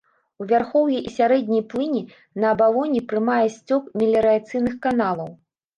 У вярхоўі і сярэдняй плыні на абалоне прымае сцёк меліярацыйных каналаў.